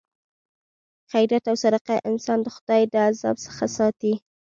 خیرات او صدقه انسان د خدای د عذاب څخه ساتي.